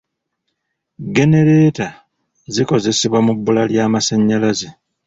Genereeta zikozesebwa mu bbula ly'amasannyalaze.